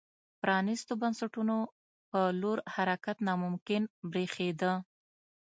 پرانیستو بنسټونو په لور حرکت ناممکن برېښېده.